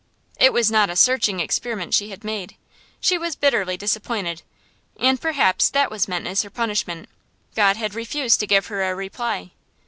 It was not a searching experiment she had made. She was bitterly disappointed, and perhaps that was meant as her punishment: God refused to give her a reply.